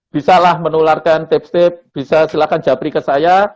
bisalah menularkan tips tips bisa silahkan jabri ke saya